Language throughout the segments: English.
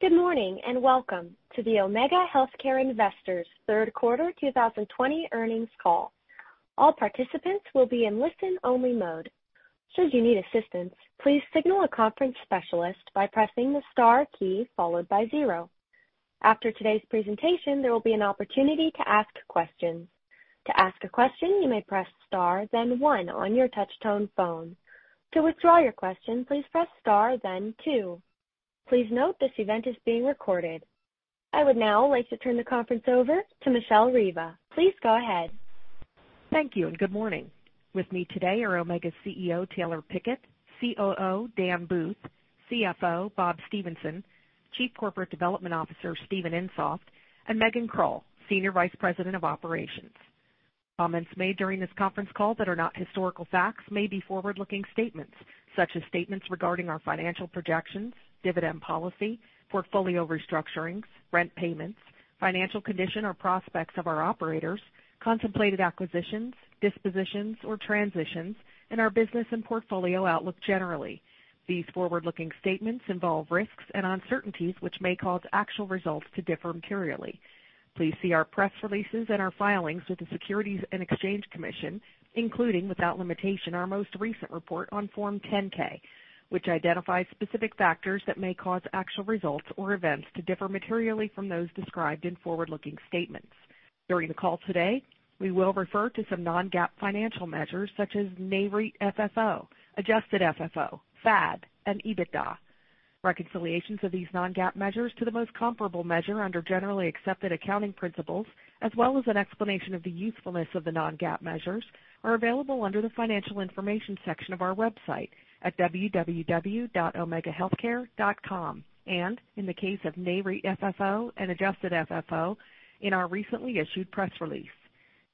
Good morning, welcome to the Omega Healthcare Investors Third Quarter 2020 Earnings Call. All participants will be on listen only mode. Should you need assistance, please signal a conference specialist be pressing the star key followed by zero. After today's presentation, there will be an opportunity ask a question. To ask a question, you may press star then one on your touchtone phone. To withdraw your question, please press star then two. Please note that this event is being recorded. I would now like to turn the conference over to Michele Reber. Please go ahead. Thank you, good morning. With me today are Omega's CEO, Taylor Pickett, COO, Dan Booth, CFO, Bob Stephenson, Chief Corporate Development Officer, Steven Insoft, and Megan Krull, Senior Vice President of Operations. Comments made during this conference call that are not historical facts may be forward-looking statements such as statements regarding our financial projections, dividend policy, portfolio restructurings, rent payments, financial condition, or prospects of our operators, contemplated acquisitions, dispositions, or transitions, and our business and portfolio outlook generally. These forward-looking statements involve risks and uncertainties which may cause actual results to differ materially. Please see our press releases and our filings with the Securities and Exchange Commission, including, without limitation, our most recent report on Form 10-K, which identifies specific factors that may cause actual results or events to differ materially from those described in forward-looking statements. During the call today, we will refer to some non-GAAP financial measures such as NAREIT FFO, adjusted FFO, FAD, and EBITDA. Reconciliations of these non-GAAP measures to the most comparable measure under generally accepted accounting principles, as well as an explanation of the usefulness of the non-GAAP measures, are available under the Financial Information section of our website at www.omegahealthcare.com. In the case of NAREIT FFO and adjusted FFO, in our recently issued press release.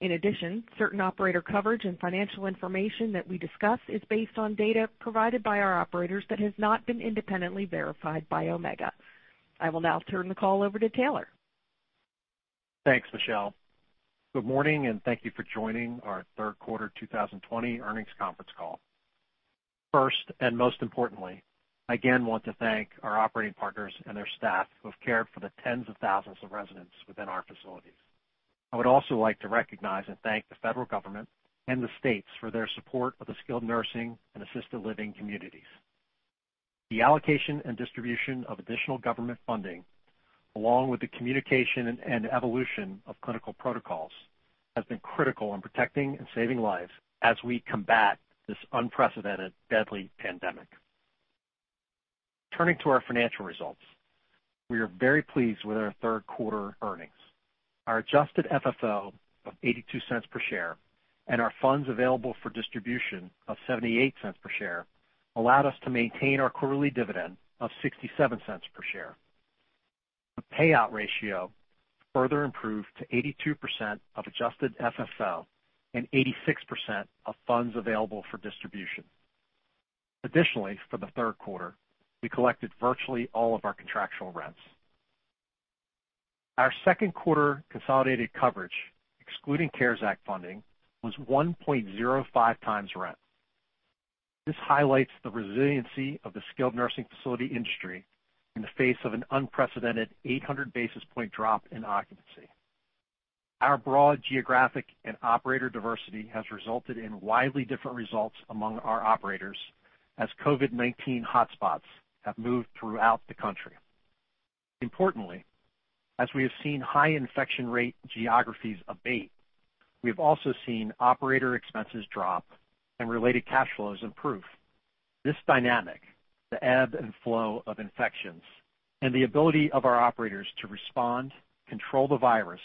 In addition, certain operator coverage and financial information that we discuss is based on data provided by our operators that has not been independently verified by Omega. I will now turn the call over to Taylor. Thanks, Michele. Good morning, and thank you for joining our Third Quarter 2020 Earnings Conference Call. First, and most importantly, I again want to thank our operating partners and their staff who have cared for the tens of thousands of residents within our facilities. I would also like to recognize and thank the federal government and the states for their support of the skilled nursing and assisted living communities. The allocation and distribution of additional government funding, along with the communication and evolution of clinical protocols, has been critical in protecting and saving lives as we combat this unprecedented, deadly pandemic. Turning to our financial results, we are very pleased with our third quarter earnings. Our adjusted FFO of $0.82 per share and our funds available for distribution of $0.78 per share allowed us to maintain our quarterly dividend of $0.67 per share. The payout ratio further improved to 82% of adjusted FFO and 86% of funds available for distribution. Additionally, for the third quarter, we collected virtually all of our contractual rents. Our second quarter consolidated coverage, excluding CARES Act funding, was 1.05x rent. This highlights the resiliency of the skilled nursing facility industry in the face of an unprecedented 800 basis point drop in occupancy. Our broad geographic and operator diversity has resulted in widely different results among our operators as COVID-19 hotspots have moved throughout the country. Importantly, as we have seen high infection rate geographies abate, we've also seen operator expenses drop and related cash flows improve. This dynamic, the ebb and flow of infections, and the ability of our operators to respond, control the virus,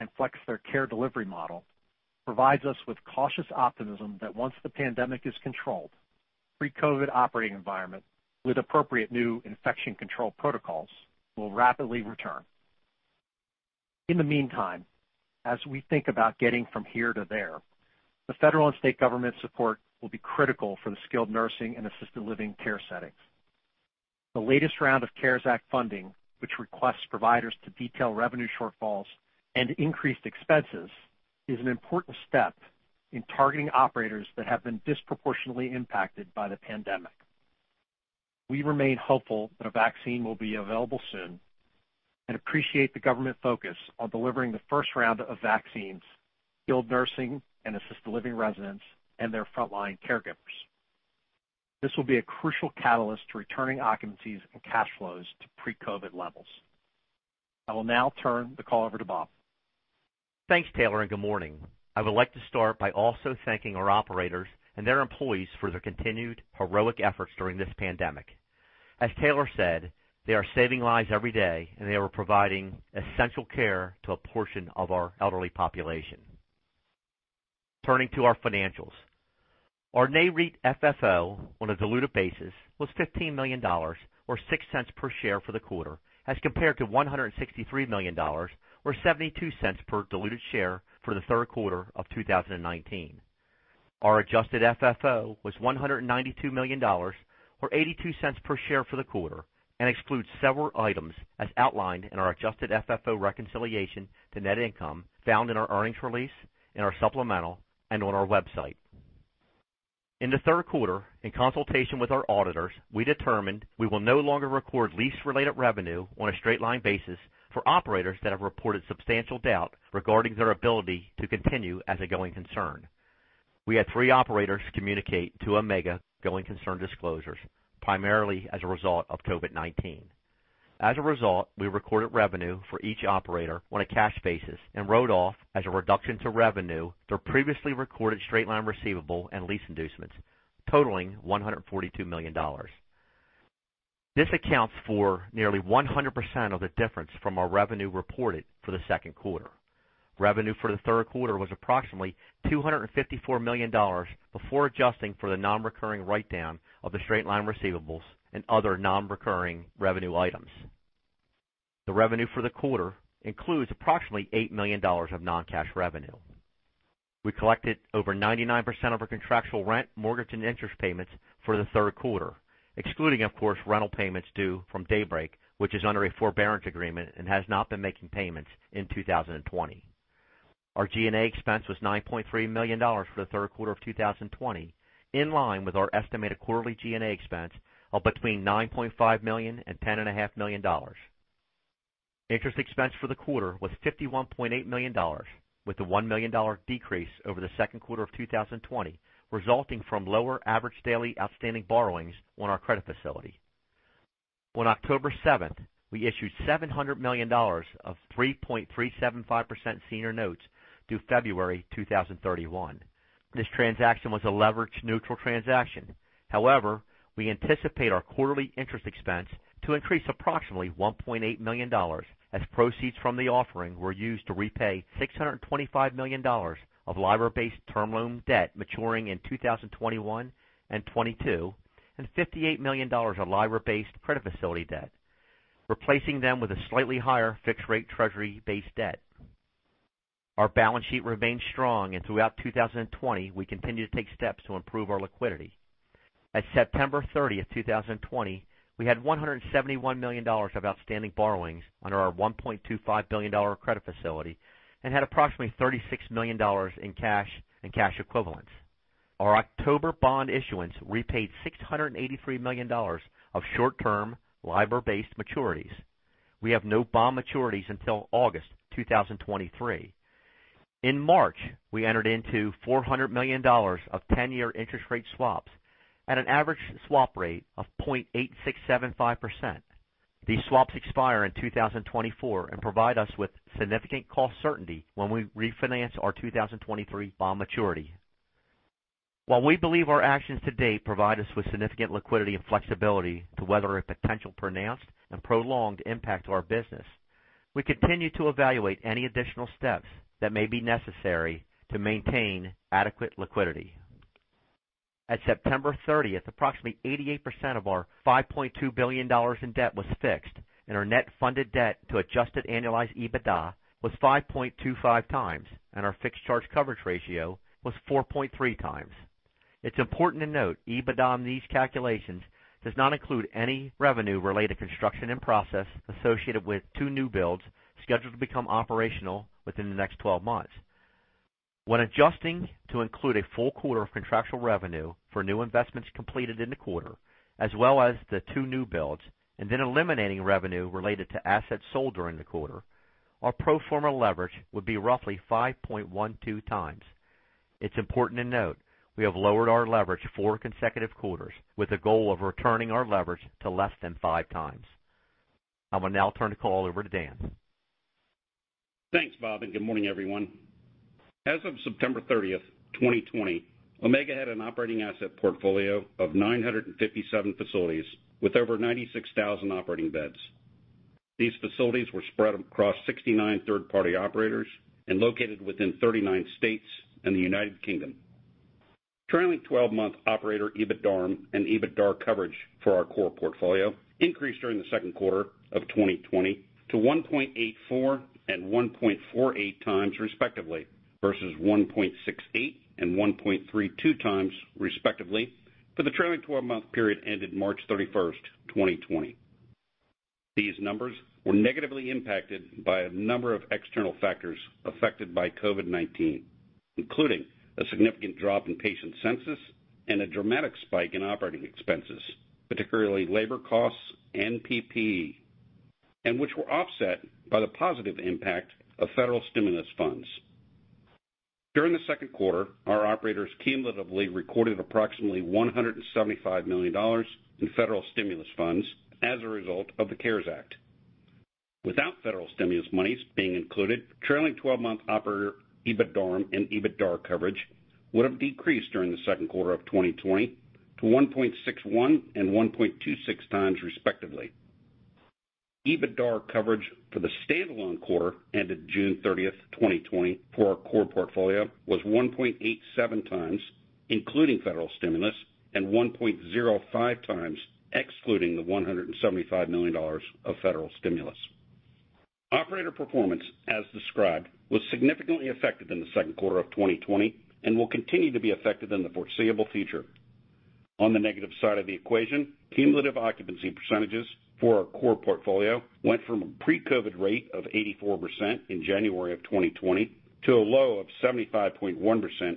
and flex their care delivery model, provides us with cautious optimism that once the pandemic is controlled, pre-COVID operating environment with appropriate new infection control protocols will rapidly return. In the meantime, as we think about getting from here to there, the federal and state government support will be critical for the skilled nursing and assisted living care settings. The latest round of CARES Act funding, which requests providers to detail revenue shortfalls and increased expenses, is an important step in targeting operators that have been disproportionately impacted by the pandemic. We remain hopeful that a vaccine will be available soon and appreciate the government focus on delivering the first round of vaccines to skilled nursing and assisted living residents and their frontline caregivers. This will be a crucial catalyst to returning occupancies and cash flows to pre-COVID levels. I will now turn the call over to Bob. Thanks, Taylor, and good morning. I would like to start by also thanking our operators and their employees for their continued heroic efforts during this pandemic. As Taylor said, they are saving lives every day, and they are providing essential care to a portion of our elderly population. Turning to our financials. Our NAREIT FFO on a diluted basis was $15 million, or $0.06 per share for the quarter, as compared to $163 million, or $0.72 per diluted share for the third quarter of 2019. Our adjusted FFO was $192 million, or $0.82 per share for the quarter and excludes several items as outlined in our adjusted FFO reconciliation to net income found in our earnings release, in our supplemental, and on our website. In the third quarter, in consultation with our auditors, we determined we will no longer record lease-related revenue on a straight-line basis for operators that have reported substantial doubt regarding their ability to continue as a going concern. We had three operators communicate to Omega going concern disclosures, primarily as a result of COVID-19. As a result, we recorded revenue for each operator on a cash basis and wrote off as a reduction to revenue their previously recorded straight-line receivable and lease inducements, totaling $142 million. This accounts for nearly 100% of the difference from our revenue reported for the second quarter. Revenue for the third quarter was approximately $254 million before adjusting for the non-recurring write-down of the straight-line receivables and other non-recurring revenue items. The revenue for the quarter includes approximately $8 million of non-cash revenue. We collected over 99% of our contractual rent, mortgage, and interest payments for the third quarter, excluding, of course, rental payments due from Daybreak, which is under a forbearance agreement and has not been making payments in 2020. Our G&A expense was $9.3 million for the third quarter of 2020, in line with our estimated quarterly G&A expense of between $9.5 million and $10.5 million. Interest expense for the quarter was $51.8 million, with a $1 million decrease over the second quarter of 2020 resulting from lower average daily outstanding borrowings on our credit facility. On October 7th, we issued $700 million of 3.375% senior notes due February 2031. We anticipate our quarterly interest expense to increase approximately $1.8 million as proceeds from the offering were used to repay $625 million of LIBOR-based term loan debt maturing in 2021 and 2022, and $58 million of LIBOR-based credit facility debt, replacing them with a slightly higher fixed-rate Treasury-based debt. Our balance sheet remains strong, and throughout 2020, we continue to take steps to improve our liquidity. At September 30th, 2020, we had $171 million of outstanding borrowings under our $1.25 billion credit facility and had approximately $36 million in cash and cash equivalents. Our October bond issuance repaid $683 million of short-term LIBOR-based maturities. We have no bond maturities until August 2023. In March, we entered into $400 million of 10-year interest rate swaps at an average swap rate of 0.8675%. These swaps expire in 2024 and provide us with significant cost certainty when we refinance our 2023 bond maturity. While we believe our actions to date provide us with significant liquidity and flexibility to weather a potential pronounced and prolonged impact to our business, we continue to evaluate any additional steps that may be necessary to maintain adequate liquidity. At September 30th, approximately 88% of our $5.2 billion in debt was fixed, and our net funded debt to adjusted annualized EBITDA was 5.25x, and our fixed charge coverage ratio was 4.3x. It's important to note, EBITDA in these calculations does not include any revenue related to construction in process associated with two new builds scheduled to become operational within the next 12 months. When adjusting to include a full quarter of contractual revenue for new investments completed in the quarter, as well as the two new builds, then eliminating revenue related to assets sold during the quarter, our pro forma leverage would be roughly 5.12x. It's important to note, we have lowered our leverage four consecutive quarters with a goal of returning our leverage to less than 5x. I will now turn the call over to Dan. Thanks, Bob. Good morning, everyone. As of September 30th, 2020, Omega had an operating asset portfolio of 957 facilities with over 96,000 operating beds. These facilities were spread across 69 third-party operators and located within 39 states and the United Kingdom. Trailing 12-month operator EBITDARM and EBITDAR coverage for our core portfolio increased during the second quarter of 2020 to 1.84x and 1.48x, respectively, versus 1.68x and 1.32x, respectively, for the trailing 12-month period ended March 31st, 2020. These numbers were negatively impacted by a number of external factors affected by COVID-19, including a significant drop in patient census and a dramatic spike in operating expenses, particularly labor costs and PPE, and which were offset by the positive impact of federal stimulus funds. During the second quarter, our operators cumulatively recorded approximately $175 million in federal stimulus funds as a result of the CARES Act. Without federal stimulus monies being included, trailing 12-month operator EBITDARM and EBITDAR coverage would have decreased during the second quarter of 2020 to 1.61x and 1.26x, respectively. EBITDAR coverage for the standalone quarter ended June 30th, 2020, for our core portfolio was 1.87x, including federal stimulus, and 1.05x excluding the $175 million of federal stimulus. Operator performance, as described, was significantly affected in the second quarter of 2020 and will continue to be affected in the foreseeable future. On the negative side of the equation, cumulative occupancy percentages for our core portfolio went from a pre-COVID rate of 84% in January of 2020 to a low of 75.1%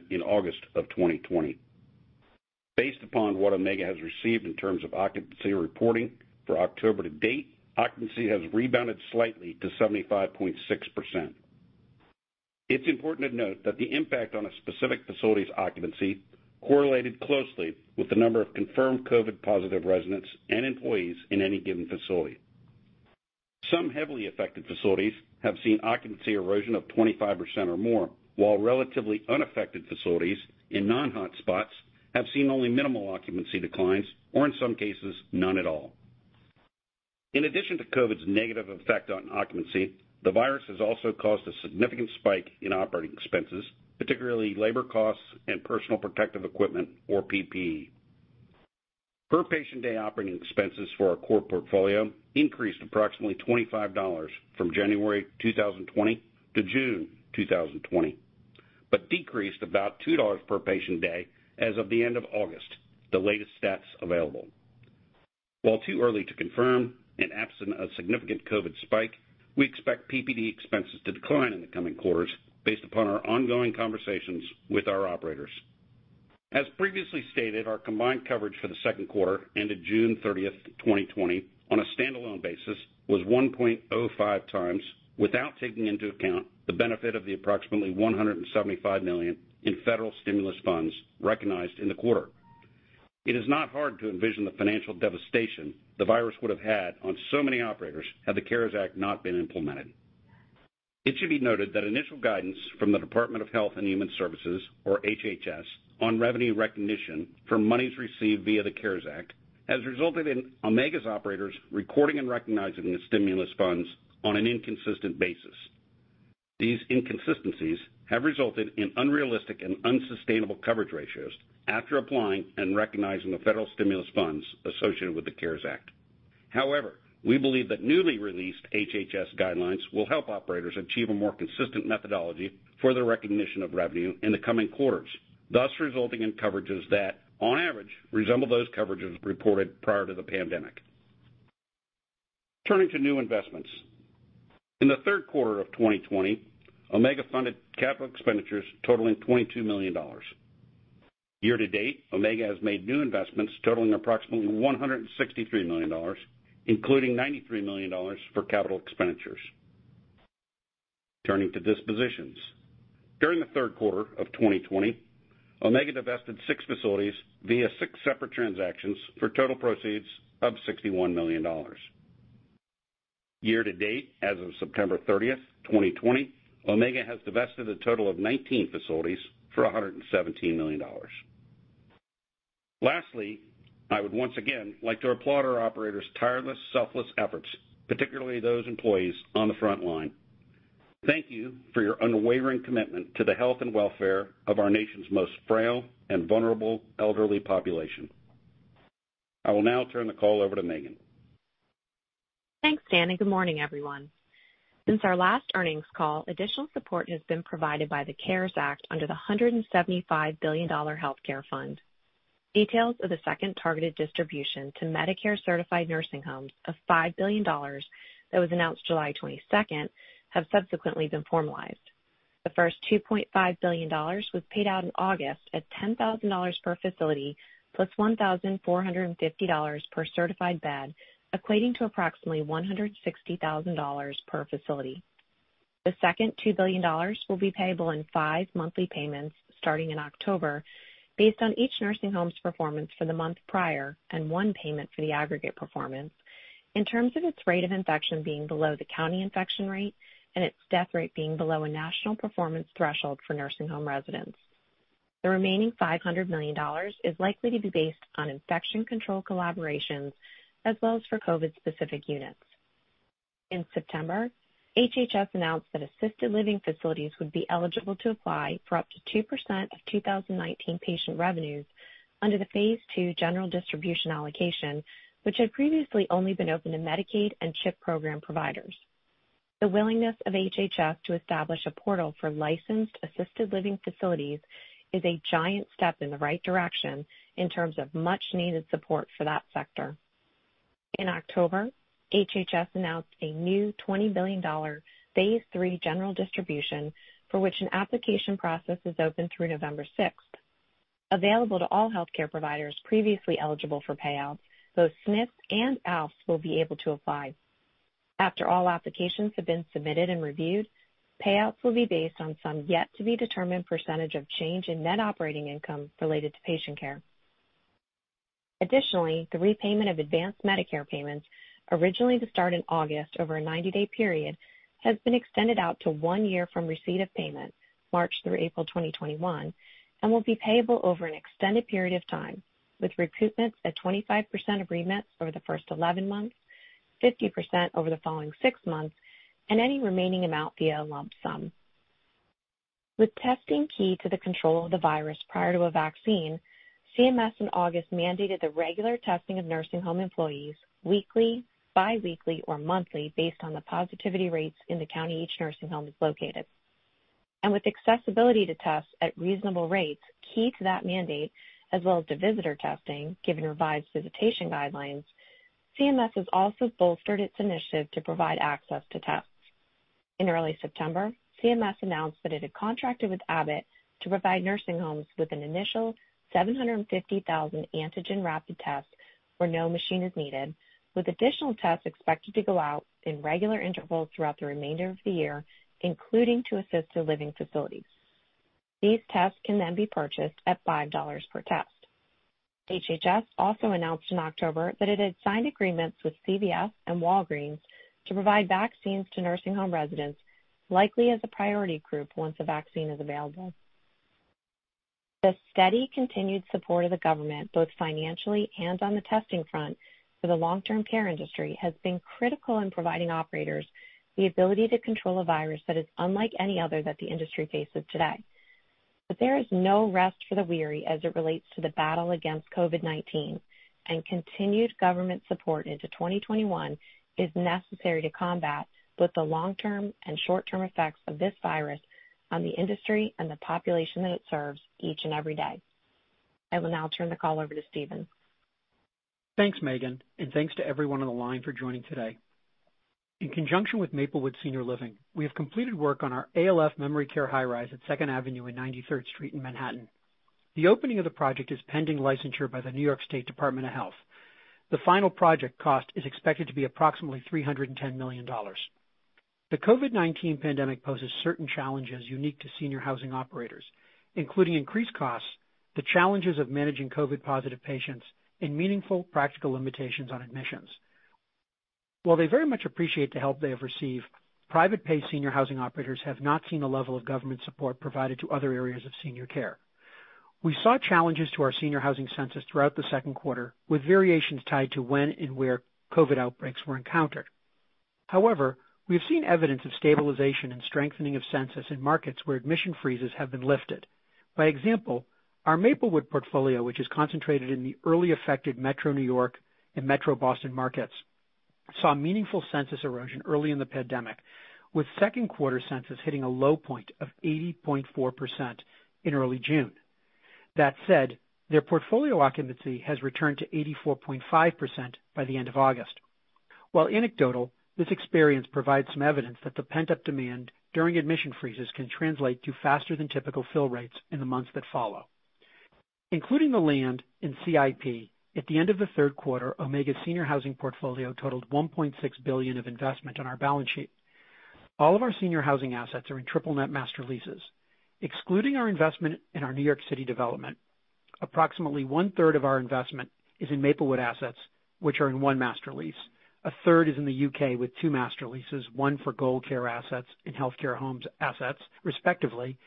in August of 2020. Based upon what Omega has received in terms of occupancy reporting for October to date, occupancy has rebounded slightly to 75.6%. It's important to note that the impact on a specific facility's occupancy correlated closely with the number of confirmed COVID positive residents and employees in any given facility. Some heavily affected facilities have seen occupancy erosion of 25% or more, while relatively unaffected facilities in non-hotspots have seen only minimal occupancy declines, or in some cases, none at all. In addition to COVID's negative effect on occupancy, the virus has also caused a significant spike in operating expenses, particularly labor costs and personal protective equipment, or PPE. Per patient day operating expenses for our core portfolio increased approximately $25 from January 2020-June 2020, but decreased about $2 per patient day as of the end of August, the latest stats available. While too early to confirm, and absent a significant COVID-19 spike, we expect PPD expenses to decline in the coming quarters based upon our ongoing conversations with our operators. As previously stated, our combined coverage for the second quarter ended June 30th, 2020, on a standalone basis, was 1.05x, without taking into account the benefit of the approximately $175 million in federal stimulus funds recognized in the quarter. It is not hard to envision the financial devastation the virus would have had on so many operators had the CARES Act not been implemented. It should be noted that initial guidance from the Department of Health and Human Services, or HHS, on revenue recognition for monies received via the CARES Act, has resulted in Omega's operators recording and recognizing the stimulus funds on an inconsistent basis. These inconsistencies have resulted in unrealistic and unsustainable coverage ratios after applying and recognizing the federal stimulus funds associated with the CARES Act. However, we believe that newly released HHS guidelines will help operators achieve a more consistent methodology for the recognition of revenue in the coming quarters, thus resulting in coverages that, on average, resemble those coverages reported prior to the pandemic. Turning to new investments. In the third quarter of 2020, Omega funded capital expenditures totaling $22 million. Year-to-date, Omega has made new investments totaling approximately $163 million, including $93 million for capital expenditures. Turning to dispositions. During the third quarter of 2020, Omega divested six facilities via six separate transactions for total proceeds of $61 million. Year-to-date, as of September 30th, 2020, Omega has divested a total of 19 facilities for $117 million. Lastly, I would once again like to applaud our operators' tireless, selfless efforts, particularly those employees on the front line. Thank you for your unwavering commitment to the health and welfare of our nation's most frail and vulnerable elderly population. I will now turn the call over to Megan. Thanks, Dan. Good morning, everyone. Since our last earnings call, additional support has been provided by the CARES Act under the $175 billion healthcare fund. Details of the second targeted distribution to Medicare-certified nursing homes of $5 billion that was announced July 22nd, have subsequently been formalized. The first $2.5 billion was paid out in August at $10,000 per facility, plus $1,450 per certified bed, equating to approximately $160,000 per facility. The second $2 billion will be payable in five monthly payments starting in October, based on each nursing home's performance for the month prior, and one payment for the aggregate performance, in terms of its rate of infection being below the county infection rate and its death rate being below a national performance threshold for nursing home residents. The remaining $500 million is likely to be based on infection control collaborations as well as for COVID-specific units. In September, HHS announced that assisted living facilities would be eligible to apply for up to 2% of 2019 patient revenues under the phase II general distribution allocation, which had previously only been open to Medicaid and CHIP program providers. The willingness of HHS to establish a portal for licensed assisted living facilities is a giant step in the right direction in terms of much needed support for that sector. In October, HHS announced a new $20 billion phase III general distribution, for which an application process is open through November 6th. Available to all healthcare providers previously eligible for payouts, both SNFs and ALFs will be able to apply. After all applications have been submitted and reviewed, payouts will be based on some yet to be determined percentage of change in net operating income related to patient care. Additionally, the repayment of advanced Medicare payments, originally to start in August over a 90-day period, has been extended out to one year from receipt of payment, March through April 2021, and will be payable over an extended period of time, with recoupments at 25% of reimbursements over the first 11 months, 50% over the following six months, and any remaining amount via a lump sum. With testing key to the control of the virus prior to a vaccine, CMS in August mandated the regular testing of nursing home employees weekly, biweekly, or monthly based on the positivity rates in the county each nursing home is located. With accessibility to tests at reasonable rates key to that mandate, as well as to visitor testing, given revised visitation guidelines, CMS has also bolstered its initiative to provide access to tests. In early September, CMS announced that it had contracted with Abbott to provide nursing homes with an initial 750,000 antigen rapid tests where no machine is needed, with additional tests expected to go out in regular intervals throughout the remainder of the year, including to assisted living facilities. These tests can then be purchased at $5 per test. HHS also announced in October that it had signed agreements with CVS and Walgreens to provide vaccines to nursing home residents, likely as a priority group, once a vaccine is available. The steady, continued support of the government, both financially and on the testing front, for the long-term care industry, has been critical in providing operators the ability to control a virus that is unlike any other that the industry faces today. There is no rest for the weary as it relates to the battle against COVID-19, and continued government support into 2021 is necessary to combat both the long-term and short-term effects of this virus on the industry and the population that it serves each and every day. I will now turn the call over to Steven. Thanks, Megan. Thanks to everyone on the line for joining today. In conjunction with Maplewood Senior Living, we have completed work on our ALF memory care high-rise at 2nd Avenue and 93rd Street in Manhattan. The opening of the project is pending licensure by the New York State Department of Health. The final project cost is expected to be approximately $310 million. The COVID-19 pandemic poses certain challenges unique to senior housing operators, including increased costs, the challenges of managing COVID-positive patients, and meaningful practical limitations on admissions. While they very much appreciate the help they have received, private paid senior housing operators have not seen the level of government support provided to other areas of senior care. We saw challenges to our senior housing census throughout the second quarter, with variations tied to when and where COVID outbreaks were encountered. However, we have seen evidence of stabilization and strengthening of census in markets where admission freezes have been lifted. By example, our Maplewood portfolio, which is concentrated in the early-affected metro New York and metro Boston markets, saw meaningful census erosion early in the pandemic, with second quarter census hitting a low point of 80.4% in early June. That said, their portfolio occupancy has returned to 84.5% by the end of August. While anecdotal, this experience provides some evidence that the pent-up demand during admission freezes can translate to faster than typical fill rates in the months that follow. Including the land in CIP, at the end of the third quarter, Omega's senior housing portfolio totaled $1.6 billion of investment on our balance sheet. All of our senior housing assets are in triple net master leases. Excluding our investment in our New York City development, approximately 1/3 of our investment is in Maplewood assets, which are in one master lease. A third is in the U.K. with two master leases, one for Gold Care assets and Healthcare Homes assets respectively,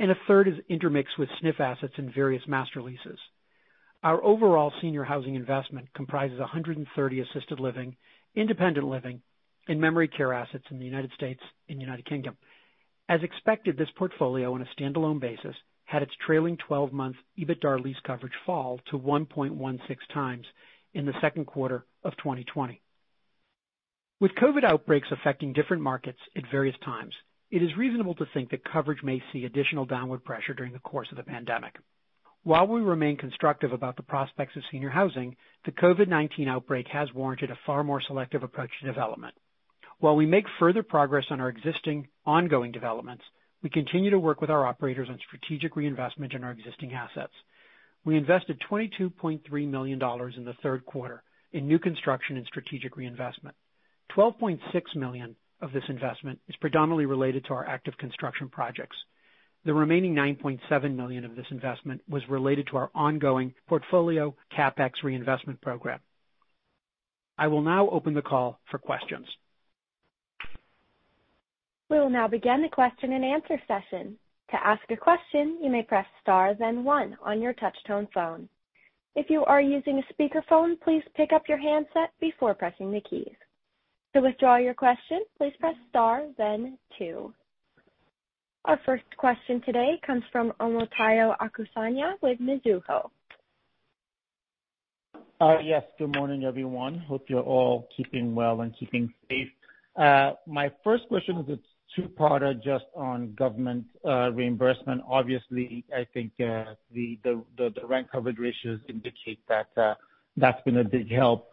and a third is intermixed with SNF assets and various master leases. Our overall senior housing investment comprises 130 assisted living, independent living, and memory care assets in the United States and United Kingdom. As expected, this portfolio, on a standalone basis, had its trailing 12-month EBITDA lease coverage fall to 1.16x in the second quarter of 2020. With COVID outbreaks affecting different markets at various times, it is reasonable to think that coverage may see additional downward pressure during the course of the pandemic. While we remain constructive about the prospects of senior housing, the COVID-19 outbreak has warranted a far more selective approach to development. While we make further progress on our existing ongoing developments, we continue to work with our operators on strategic reinvestment in our existing assets. We invested $22.3 million in the third quarter in new construction and strategic reinvestment. $12.6 million of this investment is predominantly related to our active construction projects. The remaining $9.7 million of this investment was related to our ongoing portfolio CapEx reinvestment program. I will now open the call for questions. We will now begin the question and answer session. To ask a question, you may press star then one on your touch tone phone. If you are using a speakerphone, please pick up your handset before pressing the keys. To withdraw your question, please press star then two. Our first question today comes from Omotayo Okusanya with Mizuho. Yes. Good morning, everyone. Hope you're all keeping well and keeping safe. My first question is a two-parter just on government reimbursement. Obviously, I think the rent coverage ratios indicate that's been a big help.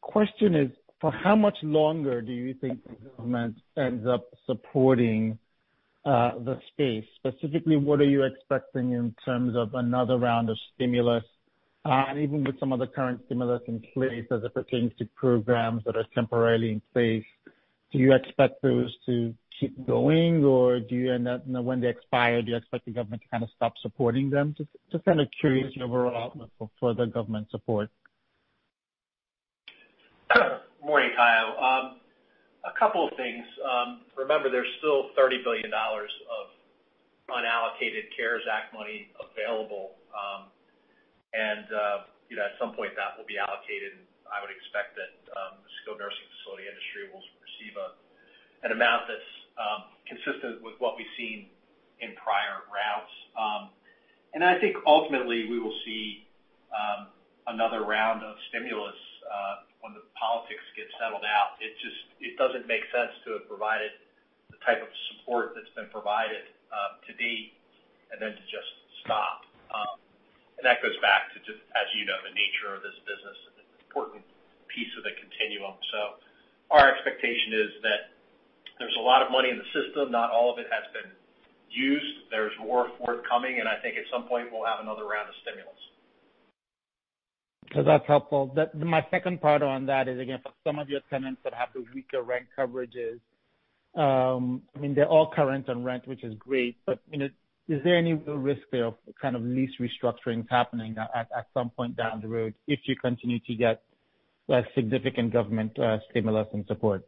Question is, for how much longer do you think the government ends up supporting the space? Specifically, what are you expecting in terms of another round of stimulus? Even with some of the current stimulus in place as it pertains to programs that are temporarily in place, do you expect those to keep going, or do you end up, when they expire, do you expect the government to kind of stop supporting them? Just kind of curious your overall outlook for the government support. Morning, Tayo. A couple of things. Remember, there's still $30 billion of unallocated CARES Act money available. At some point, that will be allocated. I would expect that the skilled nursing facility industry will receive an amount that's consistent with what we've seen in prior rounds. I think ultimately we will see another round of stimulus politics get settled out, it doesn't make sense to have provided the type of support that's been provided to date, and then to just stop. That goes back to just, as you know, the nature of this business, and it's an important piece of the continuum. Our expectation is that there's a lot of money in the system. Not all of it has been used. There's more forthcoming, and I think at some point, we'll have another round of stimulus. That's helpful. My second part on that is, again, for some of your tenants that have those weaker rent coverages, they're all current on rent, which is great, but is there any real risk there of lease restructurings happening at some point down the road if you continue to get less significant government stimulus and support?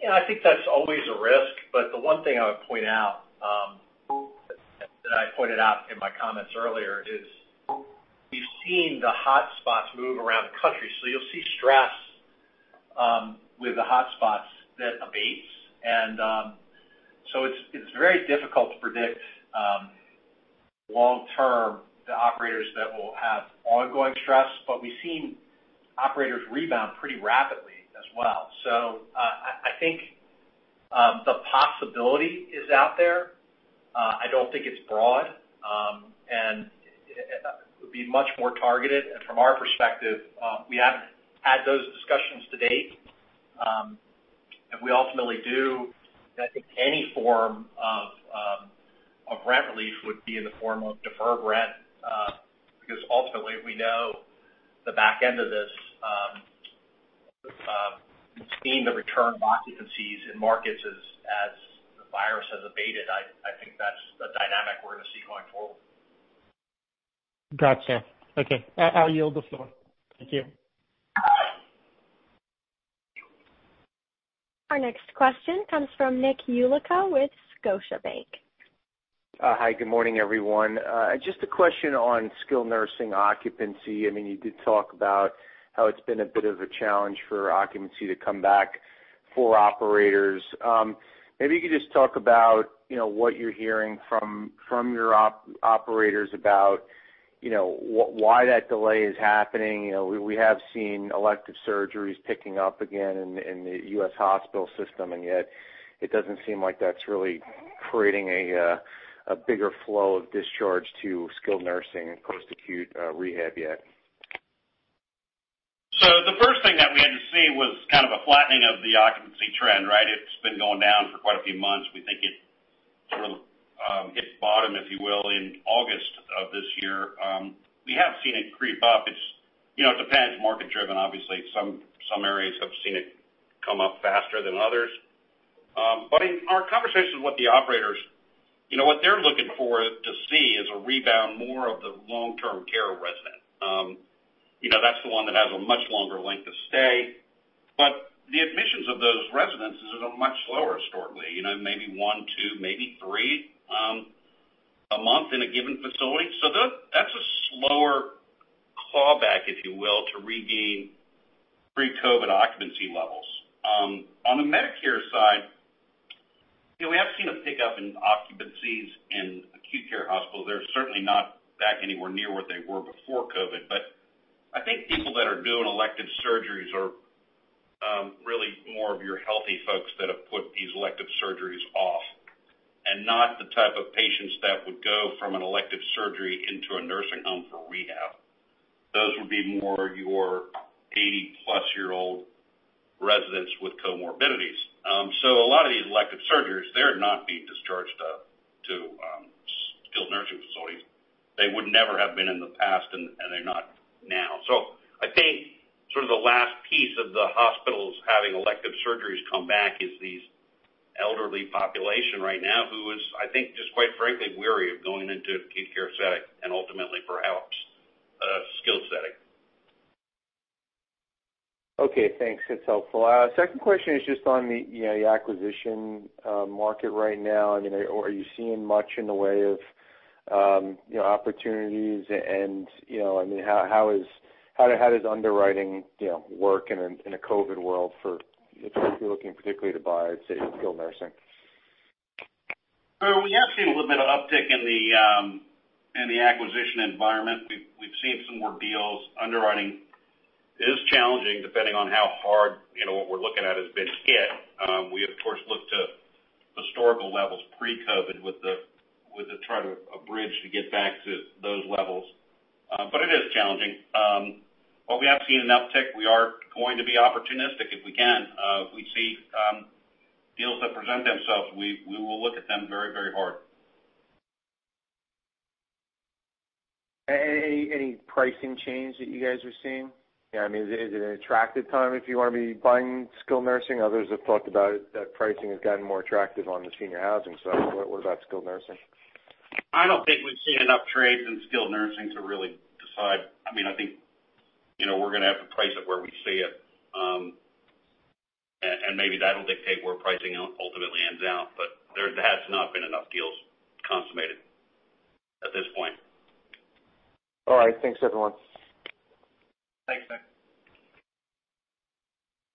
Yeah, I think that's always a risk, but the one thing I would point out, that I pointed out in my comments earlier, is we've seen the hot spots move around the country. You'll see stress, with the hot spots that abates. It's very difficult to predict, long term, the operators that will have ongoing stress, but we've seen operators rebound pretty rapidly as well. I think, the possibility is out there. I don't think it's broad, and it would be much more targeted. From our perspective, we haven't had those discussions to date. If we ultimately do, I think any form of rent relief would be in the form of deferred rent, because ultimately, we know the back end of this, seeing the return of occupancies in markets as the virus has abated, I think that's the dynamic we're going to see going forward. Got you. Okay. I'll yield the floor. Thank you. Our next question comes from Nick Yulico with Scotiabank. Hi, good morning, everyone. Just a question on skilled nursing occupancy. You did talk about how it's been a bit of a challenge for occupancy to come back for operators. Maybe you could just talk about what you're hearing from your operators about why that delay is happening. We have seen elective surgeries picking up again in the U.S. hospital system, and yet it doesn't seem like that's really creating a bigger flow of discharge to skilled nursing and post-acute rehab yet. The first thing that we had to see was kind of a flattening of the occupancy trend, right? It's been going down for quite a few months. We think it sort of hit bottom, if you will, in August of this year. We have seen it creep up. It depends. Market driven, obviously. Some areas have seen it come up faster than others. In our conversations with the operators, what they're looking for to see is a rebound more of the long-term care resident. That's the one that has a much longer length of stay. The admissions of those residents is much slower historically, maybe one, two, maybe three, a month in a given facility. That's a slower claw back, if you will, to regain pre-COVID occupancy levels. On the Medicare side, we have seen a pickup in occupancies in acute care hospitals. They're certainly not back anywhere near where they were before COVID. I think people that are doing elective surgeries are really more of your healthy folks that have put these elective surgeries off, and not the type of patients that would go from an elective surgery into a nursing home for rehab. Those would be more your 80+ year-old residents with comorbidities. A lot of these elective surgeries, they're not being discharged out to Skilled Nursing Facilities. They would never have been in the past, and they're not now. I think sort of the last piece of the hospitals having elective surgeries come back is these elderly population right now, who is, I think, just quite frankly, weary of going into an acute care setting and ultimately perhaps a skilled setting. Okay, thanks. That's helpful. Second question is just on the acquisition market right now. Are you seeing much in the way of opportunities and how does underwriting work in a COVID world for folks who are looking particularly to buy, say, skilled nursing? We have seen a little bit of uptick in the acquisition environment. We've seen some more deals. Underwriting is challenging depending on how hard what we're looking at has been hit. We of course, look to historical levels pre-COVID with a try to abridge to get back to those levels. It is challenging. While we have seen an uptick, we are going to be opportunistic if we can. If we see deals that present themselves, we will look at them very, very hard. Any pricing change that you guys are seeing? Is it an attractive time if you want to be buying skilled nursing? Others have talked about it, that pricing has gotten more attractive on the senior housing side. What about skilled nursing? I don't think we've seen enough trades in skilled nursing to really decide. I think we're going to have to price it where we see it. Maybe that'll dictate where pricing ultimately ends out. There has not been enough deals consummated at this point. All right. Thanks, everyone. Thanks, Nick.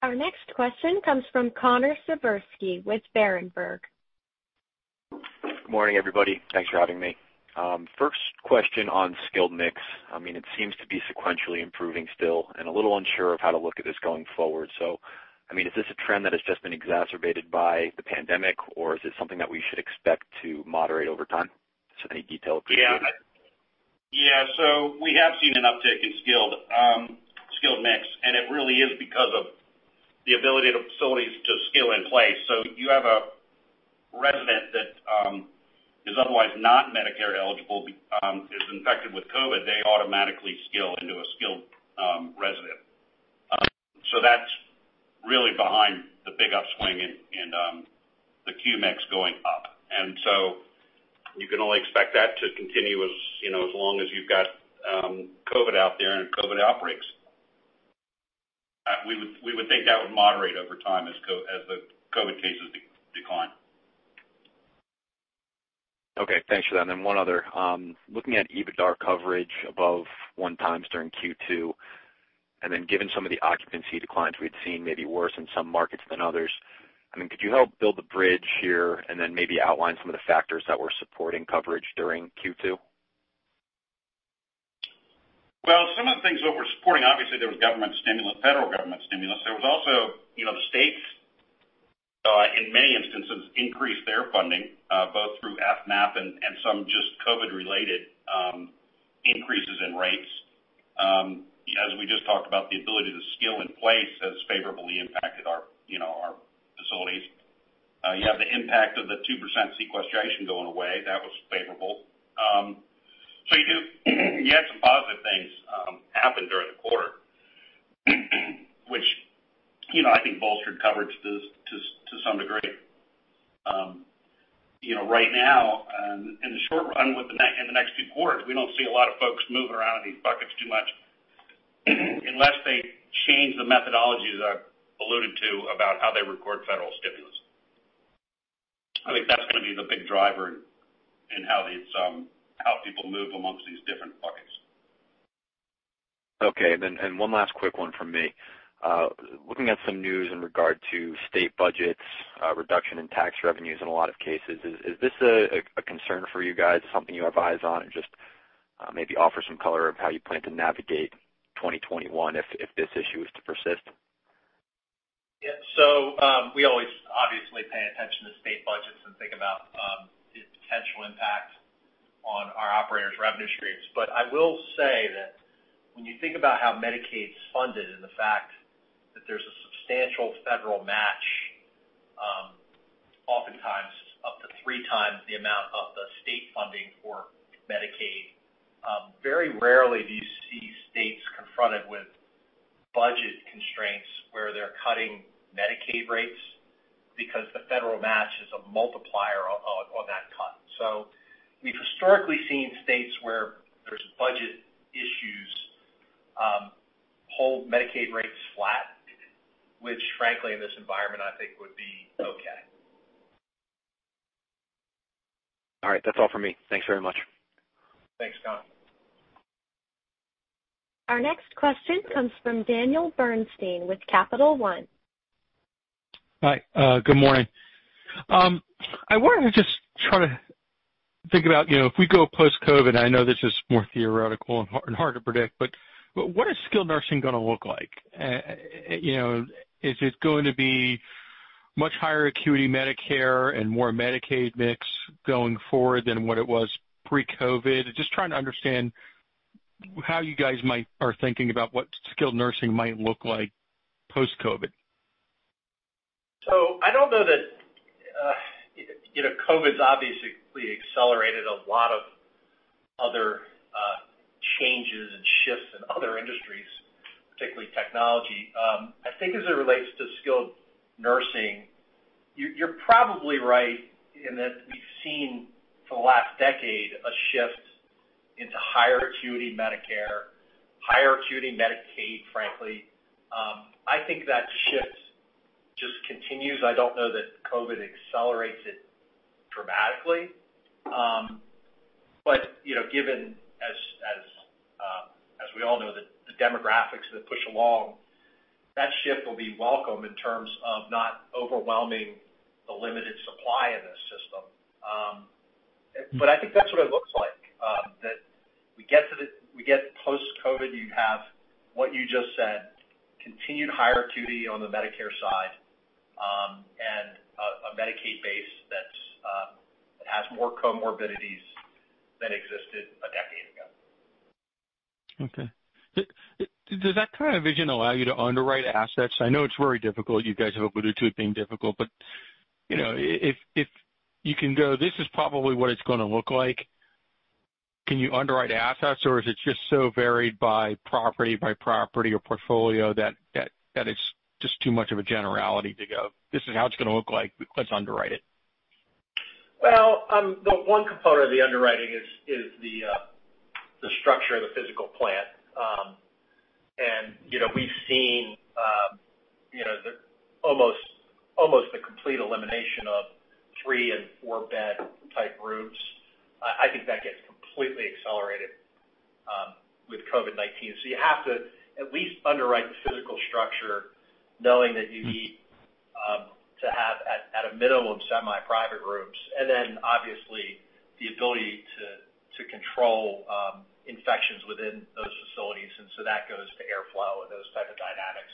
Our next question comes from Connor Siversky with Berenberg. Good morning, everybody. Thanks for having me. First question on skilled mix. It seems to be sequentially improving still and a little unsure of how to look at this going forward. Is this a trend that has just been exacerbated by the pandemic, or is this something that we should expect to moderate over time? Any detail appreciated. Yeah. We have seen an uptick in skilled mix, and it really is because of the ability of the facilities to skill in place. You have a resident that is otherwise not Medicare eligible, is infected with COVID, they automatically skill into a skilled resident. That's really behind the big upswing in the skilled mix going up. You can only expect that to continue as long as you've got COVID out there and COVID outbreaks. We would think that would moderate over time as the COVID cases decline. Okay, thanks for that. One other. Looking at EBITDAR coverage above 1x during Q2, and then given some of the occupancy declines we had seen may be worse in some markets than others, could you help build the bridge here and then maybe outline some of the factors that were supporting coverage during Q2? Well, some of the things that we're supporting, obviously, there was government stimulus, federal government stimulus. There was also the states, in many instances, increased their funding, both through FMAP and some just COVID-related increases in rates. As we just talked about, the ability to skill in place has favorably impacted our facilities. You have the impact of the 2% sequestration going away. That was favorable. You had some positive things happen during the quarter, which I think bolstered coverage to some degree. Right now, in the short run, in the next few quarters, we don't see a lot of folks moving around in these buckets too much unless they change the methodologies I've alluded to about how they record federal stimulus. I think that's going to be the big driver in how people move amongst these different buckets. Okay, one last quick one from me. Looking at some news in regard to state budgets, reduction in tax revenues in a lot of cases, is this a concern for you guys? Something you advise on? Just maybe offer some color of how you plan to navigate 2021 if this issue is to persist. Yeah. We always obviously pay attention to state budgets and think about its potential impact on our operators' revenue streams. I will say that when you think about how Medicaid's funded and the fact that there's a substantial federal match, oftentimes up to 3x the amount of the state funding for Medicaid, very rarely do you see states confronted with budget constraints where they're cutting Medicaid rates because the federal match is a multiplier on that cut. We've historically seen states where there's budget issues, hold Medicaid rates flat, which frankly, in this environment, I think would be okay. All right. That's all for me. Thanks very much. Thanks, Connor. Our next question comes from Daniel Bernstein with Capital One. Hi. Good morning. I wanted to just try to think about if we go post-COVID, I know this is more theoretical and hard to predict, what is skilled nursing going to look like? Is it going to be much higher acuity Medicare and more Medicaid mix going forward than what it was pre-COVID? Just trying to understand how you guys are thinking about what skilled nursing might look like post-COVID. I don't know that COVID's obviously accelerated a lot of other changes and shifts in other industries, particularly technology. I think as it relates to skilled nursing, you're probably right in that we've seen for the last decade a shift into higher acuity Medicare, higher acuity Medicaid, frankly. I think that shift just continues. I don't know that COVID accelerates it dramatically. Given as we all know, the demographics that push along, that shift will be welcome in terms of not overwhelming the limited supply in this system. I think that's what it looks like. That we get post-COVID, you have what you just said, continued higher acuity on the Medicare side, and a Medicaid base that has more comorbidities than existed a decade ago. Okay. Does that kind of vision allow you to underwrite assets? I know it's very difficult. You guys have alluded to it being difficult, but if you can go, this is probably what it's going to look like, can you underwrite assets, or is it just so varied by property or portfolio that it's just too much of a generality to go, "This is how it's going to look like. Let's underwrite it." Well, the one component of the underwriting is the structure of the physical plant. We've seen almost the complete elimination of three and four-bed type rooms. I think that gets completely accelerated with COVID-19. You have to at least underwrite the physical structure knowing that you need to have, at a minimum, semi-private rooms. Obviously the ability to control infections within those facilities. That goes to airflow and those type of dynamics.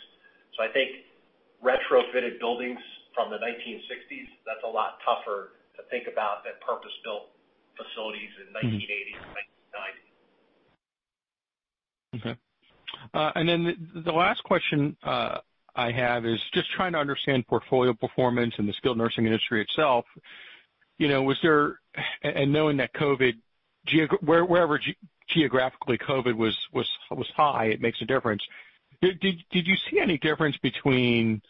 I think retrofitted buildings from the 1960s, that's a lot tougher to think about than purpose-built facilities in 1980s or 1990s. Okay. The last question I have is just trying to understand portfolio performance in the skilled nursing industry itself. Knowing that wherever geographically COVID-19 was high, it makes a difference. Did you see any difference between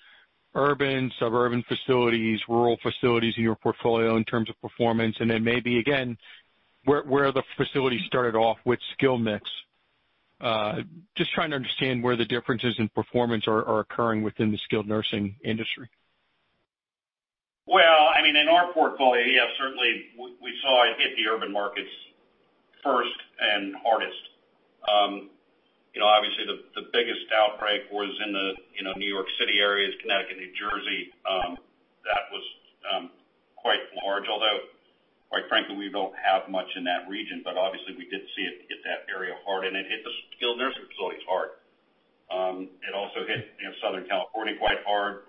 urban, suburban facilities, rural facilities in your portfolio in terms of performance? Maybe again, where the facility started off with skill mix? Just trying to understand where the differences in performance are occurring within the skilled nursing industry. Well, in our portfolio, yeah, certainly, we saw it hit the urban markets first and hardest. Obviously, the biggest outbreak was in the New York City areas, Connecticut, New Jersey. That was quite large, although quite frankly, we don't have much in that region. Obviously we did see it hit that area hard, and it hit the skilled nursing facilities hard. It also hit Southern California quite hard.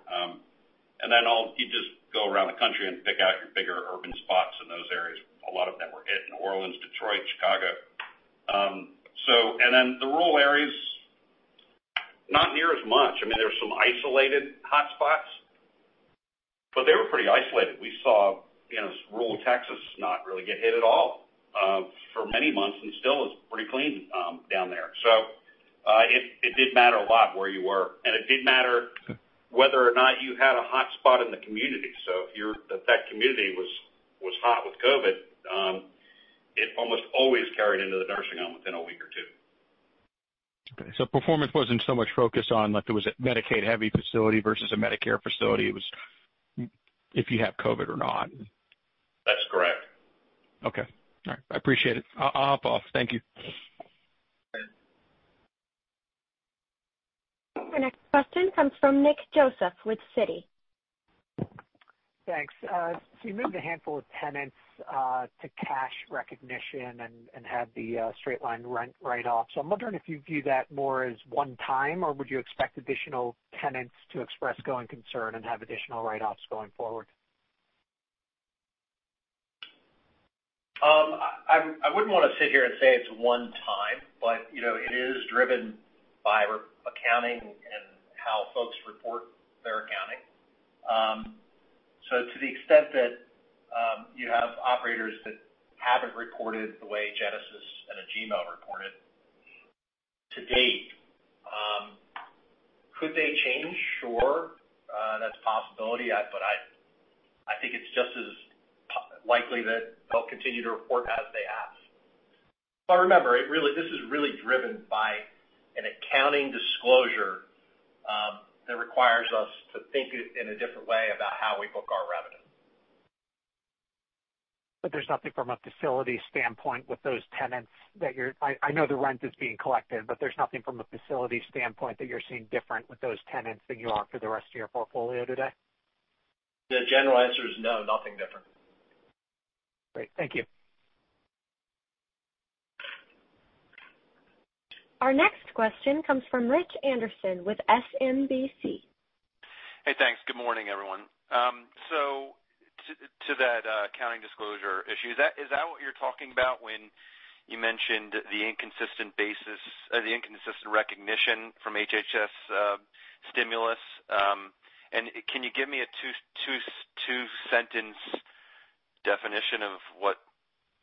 You just go around the country and pick out your bigger urban spots in those areas. A lot of them were hit, New Orleans, Detroit, Chicago. The rural areas, not near as much. There's some isolated hotspots, but they were pretty isolated. We saw rural Texas not really get hit at all for many months, and still is pretty clean down there. It did matter a lot where you were, and it did matter whether or not you had a hotspot in the community. If that community was hot with COVID-19, it almost always carried into the nursing home within a week or two. Okay, performance wasn't so much focused on if it was a Medicaid-heavy facility versus a Medicare facility. It was if you have COVID or not. That's correct. Okay. All right. I appreciate it. I'll hop off. Thank you. Our next question comes from Nick Joseph with Citi. Thanks. You moved a handful of tenants to cash recognition and had the straight line write-off. I'm wondering if you view that more as one time, or would you expect additional tenants to express going concern and have additional write-offs going forward? I wouldn't want to sit here and say it's one time, it is driven by accounting and how folks report their accounting. To the extent that you have operators that haven't reported the way Genesis and Agemo reported to date, could they change? Sure. That's a possibility, I think it's just as likely that they'll continue to report as they have. Remember, this is really driven by an accounting disclosure that requires us to think in a different way about how we book our revenue. There's nothing from a facility standpoint with those tenants that I know the rent is being collected, but there's nothing from a facility standpoint that you're seeing different with those tenants than you are for the rest of your portfolio today? The general answer is no, nothing different. Great. Thank you. Our next question comes from Rich Anderson with SMBC. Hey, thanks. Good morning, everyone. To that accounting disclosure issue, is that what you're talking about when you mentioned the inconsistent recognition from HHS stimulus? Can you give me a two-sentence definition of what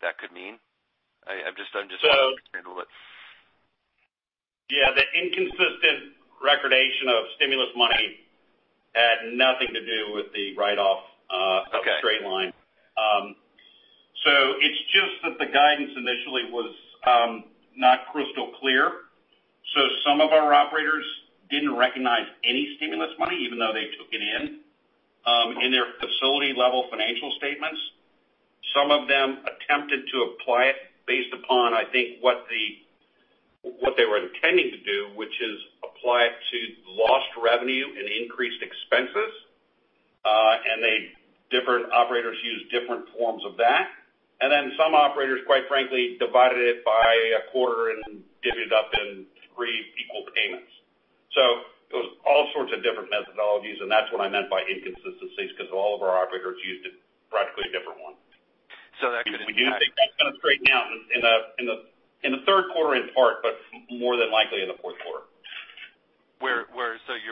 that could mean? I'm just trying to handle it. Yeah. The inconsistent recognition of stimulus money had nothing to do with the write-off- Okay. Straight line. It's just that the guidance initially was not crystal clear. Some of our operators didn't recognize any stimulus money, even though they took it in their facility-level financial statements. Some of them attempted to apply it based upon, I think, what they were intending to do, which is apply it to lost revenue and increased expenses. Different operators used different forms of that. Then some operators, quite frankly, divided it by a quarter and divvied it up in three equal payments. It was all sorts of different methodologies, and that's what I meant by inconsistencies, because all of our operators used a practically different one. That could impact. We do think that's going to straighten out in the third quarter in part, but more than likely in the fourth quarter.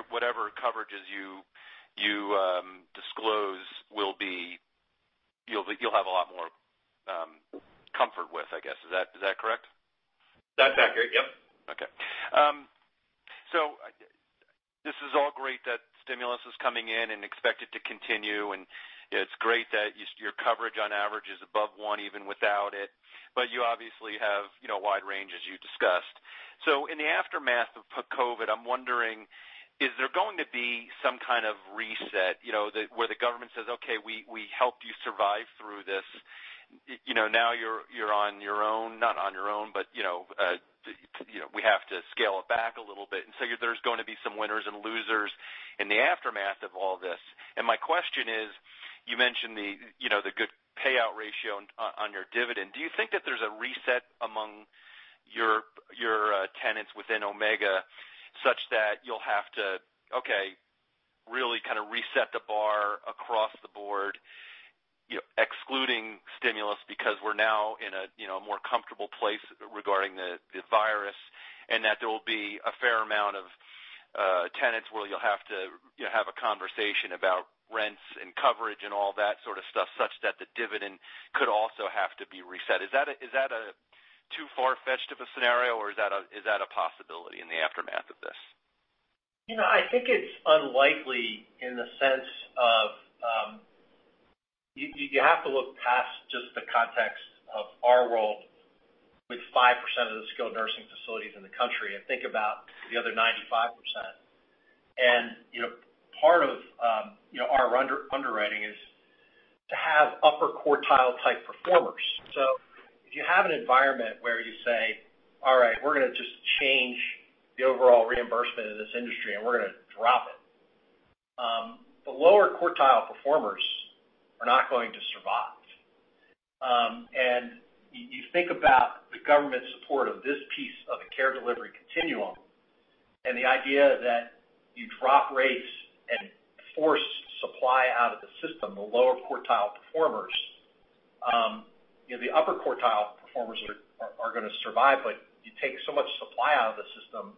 Whatever coverages you disclose, you'll have a lot more comfort with, I guess. Is that correct? That's accurate. Yep. This is all great that stimulus is coming in and expected to continue, and it's great that your coverage on average is above one even without it. You obviously have wide range as you discussed. In the aftermath of COVID, I'm wondering, is there going to be some kind of reset, where the government says, "Okay, we helped you survive through this. Now you're on your own. Not on your own, but we have to scale it back a little bit." There's going to be some winners and losers in the aftermath of all this. My question is, you mentioned the good payout ratio on your dividend. Do you think that there's a reset among your tenants within Omega such that you'll have to, okay, really kind of reset the bar across the board, excluding stimulus because we're now in a more comfortable place regarding the virus, and that there will be a fair amount of tenants where you'll have to have a conversation about rents and coverage and all that sort of stuff, such that the dividend could also have to be reset? Is that a too far-fetched of a scenario, or is that a possibility in the aftermath of this? I think it's unlikely in the sense of, you have to look past just the context of our world with 5% of the skilled nursing facilities in the country and think about the other 95%. Part of our underwriting is to have upper quartile type performers. If you have an environment where you say, "All right, we're going to just change the overall reimbursement of this industry, and we're going to drop it." The lower quartile performers are not going to survive. You think about the government support of this piece of the care delivery continuum, and the idea that you drop rates and force supply out of the system, the lower quartile performers. The upper quartile performers are going to survive, but you take so much supply out of the system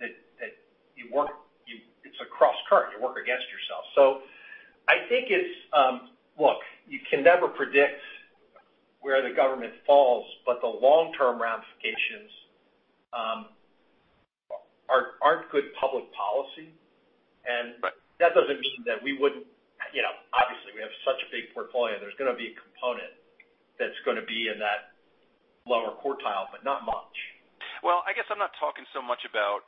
that it's a cross current. You work against yourself. I think it's Look, you can never predict where the government falls, but the long-term ramifications aren't good public policy. Right. That doesn't mean that, obviously, we have such a big portfolio, there's going to be a component that's going to be in that lower quartile, but not much. Well, I guess I'm not talking so much about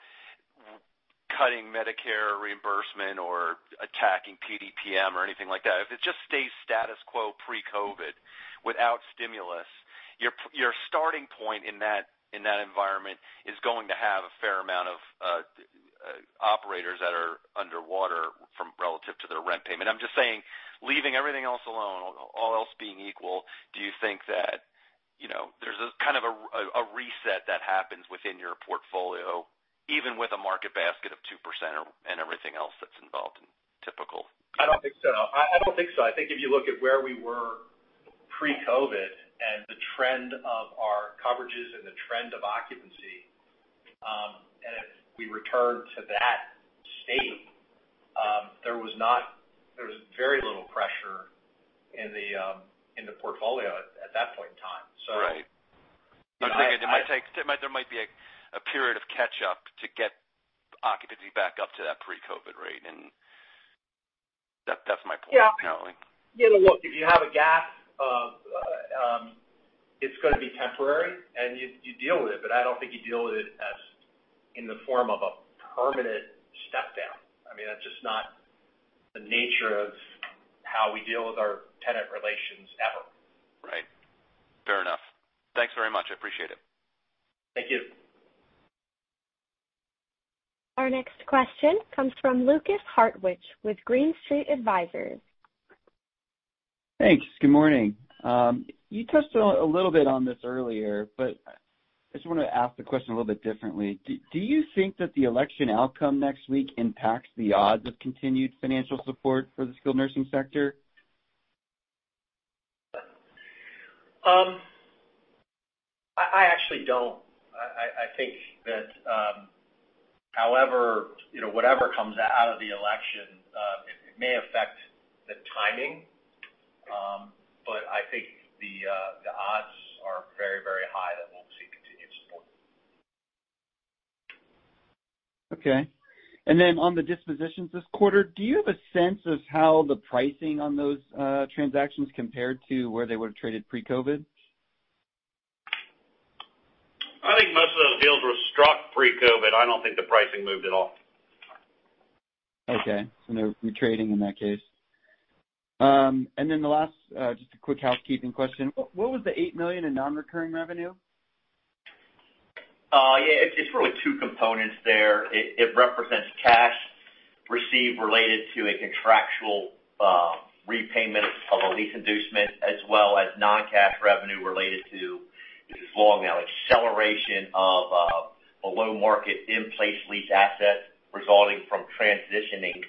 cutting Medicare reimbursement or attacking PDPM or anything like that. If it just stays status quo pre-COVID without stimulus, your starting point in that environment is going to have a fair amount of operators that are underwater from relative to their rent payment. I'm just saying, leaving everything else alone, all else being equal, do you think that there's a kind of a reset that happens within your portfolio, even with a market basket of 2% and everything else that's involved in typical? I don't think so. I think if you look at where we were pre-COVID and the trend of our coverages and the trend of occupancy, and if we return to that state, there was very little pressure in the portfolio at that point in time. Right. I'm thinking there might be a period of catch up to get occupancy back up to that pre-COVID-19 rate. That's my point, apparently. Yeah. Look, if you have a gap, it's going to be temporary, and you deal with it, but I don't think you deal with it as in the form of a permanent step down. That's just not the nature of how we deal with our tenant relations, ever. Right. Fair enough. Thanks very much. I appreciate it. Thank you. Our next question comes from Lukas Hartwich with Green Street Advisors. Thanks. Good morning. You touched a little bit on this earlier, I just want to ask the question a little bit differently. Do you think that the election outcome next week impacts the odds of continued financial support for the skilled nursing sector? I actually don't. I think that however, whatever comes out of the election, it may affect the timing, but I think the odds are very high that we'll see continued support. Okay. Then on the dispositions this quarter, do you have a sense of how the pricing on those transactions compared to where they would've traded pre-COVID-19? I think most of those deals were struck pre-COVID. I don't think the pricing moved at all. Okay. No retrading in that case. The last, just a quick housekeeping question. What was the $8 million in non-recurring revenue? Yeah, it's really two components there. It represents cash received related to a contractual repayment of a lease inducement, as well as non-cash revenue related to, this is long now, acceleration of a low market in-place lease asset resulting from transitioning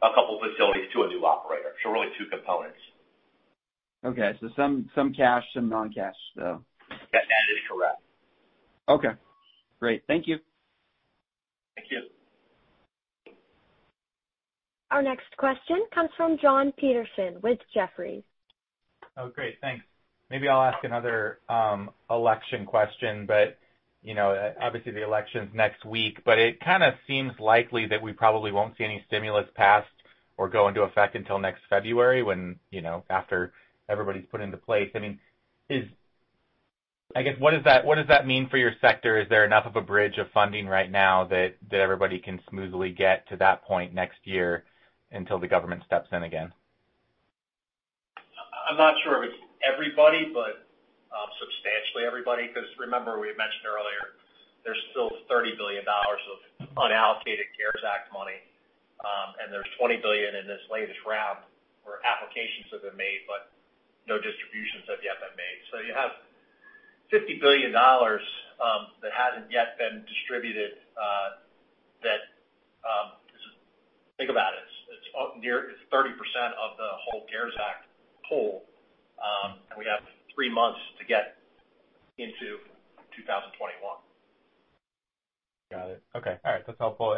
a couple facilities to a new operator. Really two components. Okay. So some cash, some non-cash. That is correct. Okay, great. Thank you. Thank you. Our next question comes from Jon Petersen with Jefferies. Oh, great, thanks. Maybe I'll ask another election question, but obviously the election's next week. It kind of seems likely that we probably won't see any stimulus passed or go into effect until next February when, after everybody's put into place. I mean, I guess, what does that mean for your sector? Is there enough of a bridge of funding right now that everybody can smoothly get to that point next year until the government steps in again? I'm not sure if it's everybody, but substantially everybody, because remember we had mentioned earlier, there's still $30 billion of unallocated CARES Act money, and there's $20 billion in this latest round where applications have been made, but no distributions have yet been made. You have $50 billion that hasn't yet been distributed, that. Think about it. It's near 30% of the whole CARES Act pool, and we have three months to get into 2021. Got it. Okay. All right. That's helpful.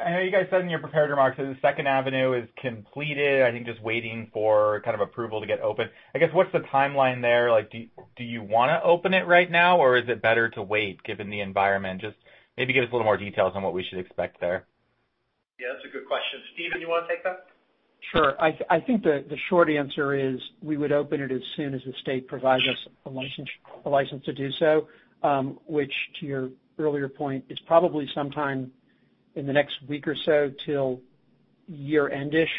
I know you guys said in your prepared remarks that the Second Avenue is completed, I think just waiting for kind of approval to get open. I guess, what's the timeline there? Do you want to open it right now, or is it better to wait given the environment? Just maybe give us a little more details on what we should expect there. Yeah, that's a good question. Steven, you want to take that? Sure. I think the short answer is we would open it as soon as the state provides us a license to do so. Which, to your earlier point, is probably sometime in the next week or so till year-end-ish.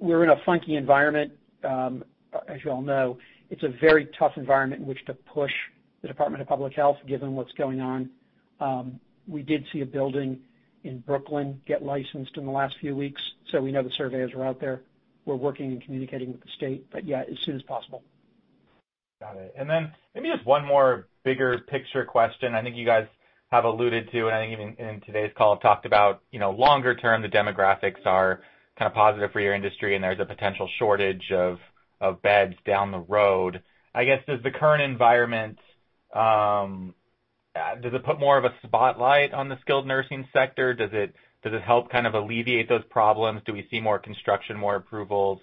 We're in a funky environment, as you all know. It's a very tough environment in which to push the Department of Public Health, given what's going on. We did see a building in Brooklyn get licensed in the last few weeks. We know the surveyors are out there. We're working and communicating with the state. Yeah, as soon as possible. Got it. Then maybe just one more bigger picture question. I think you guys have alluded to, and I think even in today's call have talked about longer term, the demographics are kind of positive for your industry, and there's a potential shortage of beds down the road. I guess, does the current environment, does it put more of a spotlight on the skilled nursing sector? Does it help kind of alleviate those problems? Do we see more construction, more approvals,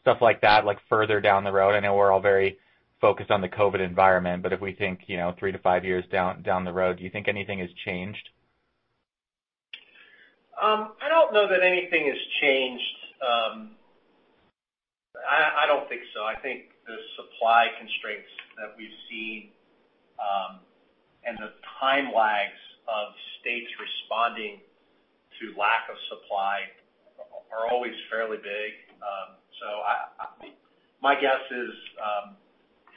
stuff like that, like further down the road? I know we're all very focused on the COVID environment, but if we think three-five years down the road, do you think anything has changed? I don't know that anything has changed. I don't think so. I think the supply constraints that we've seen, and the time lags of states responding to lack of supply are always fairly big. My guess is,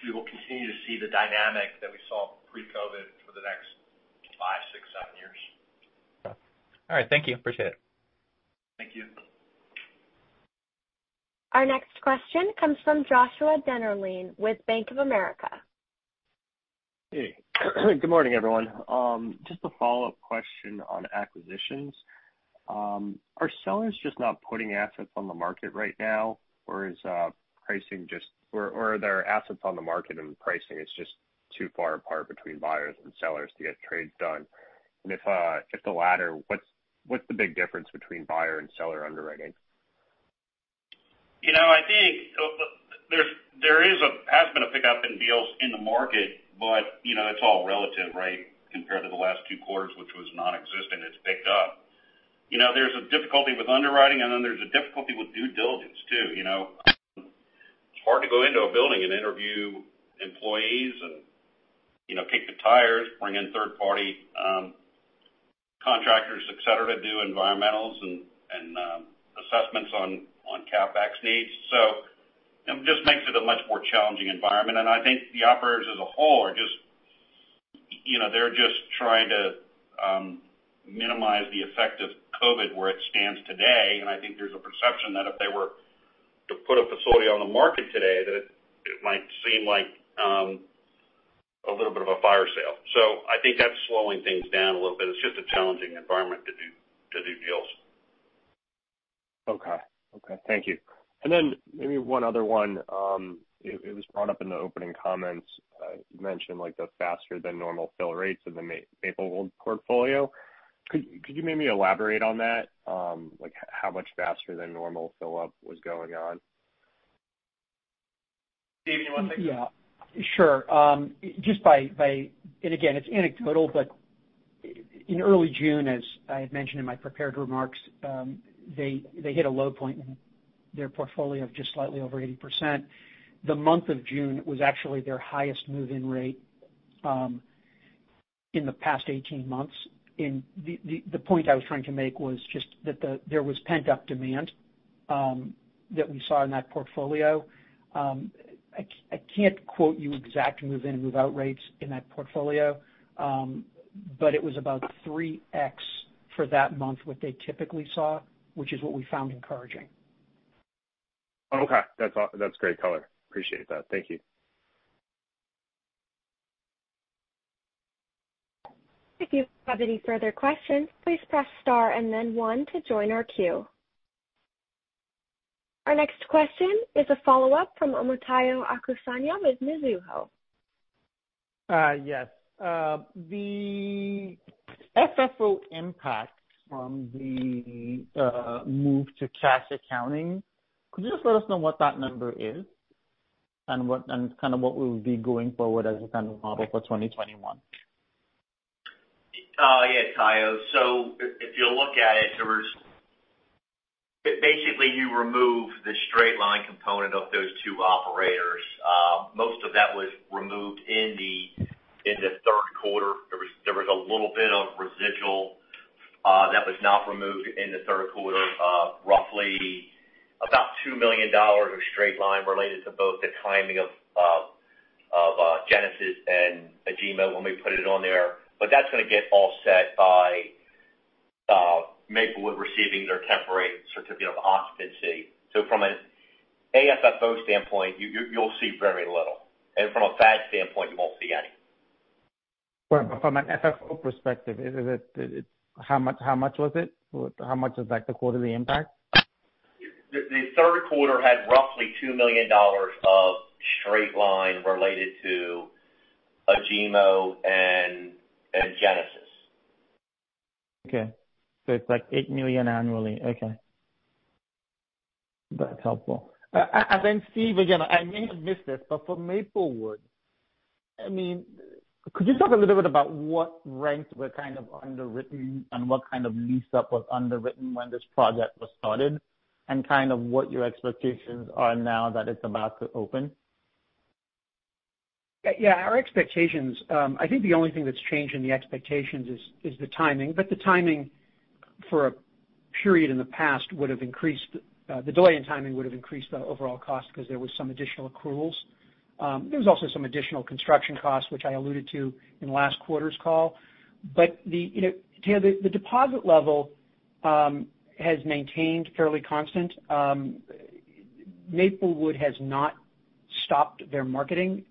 we will continue to see the dynamic that we saw pre-COVID for the next five, six, seven years. All right. Thank you. Appreciate it. Thank you. Our next question comes from Joshua Dennerlein with Bank of America. Hey. Good morning, everyone. Just a follow-up question on acquisitions. Are sellers just not putting assets on the market right now? Are there assets on the market and the pricing is just too far apart between buyers and sellers to get trades done? If the latter, what's the big difference between buyer and seller underwriting? I think there has been a pickup in deals in the market, it's all relative, right? Compared to the last two quarters, which was nonexistent, it's picked up. There's a difficulty with underwriting, and then there's a difficulty with due diligence, too. It's hard to go into a building and interview employees and kick the tires, bring in third-party contractors, et cetera, to do environmentals and assessments on CapEx needs. It just makes it a much more challenging environment, and I think the operators as a whole are just trying to minimize the effect of COVID where it stands today. I think there's a perception that if they were to put a facility on the market today, that it might seem like a little bit of a fire sale. I think that's slowing things down a little bit. It's just a challenging environment to do deals. Okay. Thank you. Maybe one other one. It was brought up in the opening comments. You mentioned, the faster than normal fill rates of the Maplewood portfolio. Could you maybe elaborate on that? How much faster than normal fill-up was going on? Steve, you want to take that? Yeah. Sure. Again, it's anecdotal, but in early June, as I had mentioned in my prepared remarks, they hit a low point in their portfolio of just slightly over 80%. The month of June was actually their highest move-in rate in the past 18 months. The point I was trying to make was just that there was pent-up demand that we saw in that portfolio. I can't quote you exact move-in and move-out rates in that portfolio. It was about 3x for that month what they typically saw, which is what we found encouraging. Okay. That's great color. Appreciate that. Thank you. If you have any further questions, please press star and then one to join our queue. Our next question is a follow-up from Omotayo Okusanya with Mizuho. Yes. The FFO impact from the move to cash accounting, could you just let us know what that number is and kind of what we would be going forward as a kind of model for 2021? Yeah, Tayo. If you look at it, basically, you remove the straight-line component of those two operators. Most of that was removed in the third quarter. There was a little bit of residual that was not removed in the third quarter, roughly about $2 million of straight-line related to both the timing of Genesis and Agemo when we put it on there. That's going to get all set by Maplewood receiving their temporary certificate of occupancy. From an AFFO standpoint, you'll see very little. From a FAD standpoint, you won't see any. Right. From an FFO perspective, how much was it? How much is the quarterly impact? The third quarter had roughly $2 million of straight line related to Agemo and Genesis. Okay. It's like $8 million annually. Okay. That's helpful. Steve, again, I may have missed this, but for Maplewood, could you talk a little bit about what rents were kind of underwritten and what kind of lease up was underwritten when this project was started? Kind of what your expectations are now that it's about to open? Yeah. Our expectations, I think the only thing that's changed in the expectations is the timing. The timing for a period in the past would have increased. The delay in timing would have increased the overall cost because there was some additional accruals. There was also some additional construction costs, which I alluded to in last quarter's call. Tayo, the deposit level has maintained fairly constant. Maplewood has not stopped their marketing.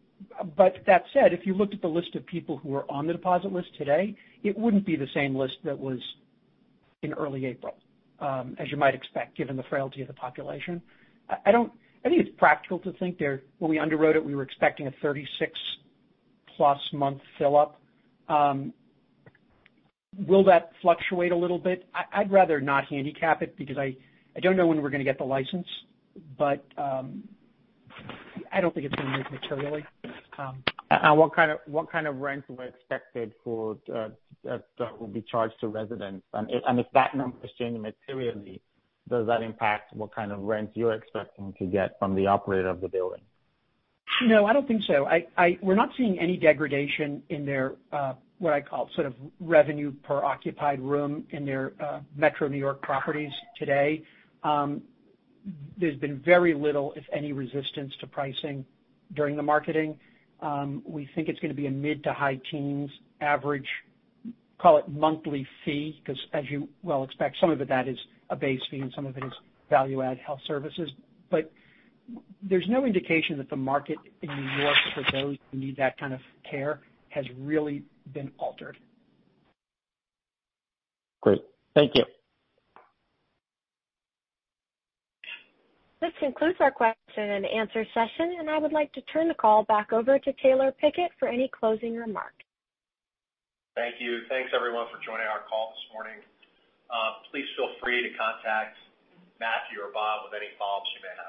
That said, if you looked at the list of people who are on the deposit list today, it wouldn't be the same list that was in early April, as you might expect, given the frailty of the population. I think it's practical to think there, when we underwrote it, we were expecting a 36+ month fill up. Will that fluctuate a little bit? I'd rather not handicap it because I don't know when we're going to get the license. I don't think it's going to move materially. What kind of rents were expected that will be charged to residents? If that number is changing materially, does that impact what kind of rents you're expecting to get from the operator of the building? No, I don't think so. We're not seeing any degradation in their, what I call sort of revenue per occupied room in their Metro New York properties today. There's been very little, if any, resistance to pricing during the marketing. We think it's going to be a mid to high teens average, call it monthly fee, because as you well expect, some of that is a base fee and some of it is value add health services. There's no indication that the market in New York for those who need that kind of care has really been altered. Great. Thank you. This concludes our question and answer session, and I would like to turn the call back over to Taylor Pickett for any closing remarks. Thank you. Thanks everyone for joining our call this morning. Please feel free to contact Matthew or Bob with any follow-ups you may have.